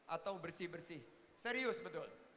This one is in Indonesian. atau bersih bersih serius betul